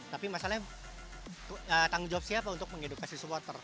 tapi masalahnya tanggung jawab siapa untuk mengedukasi supporter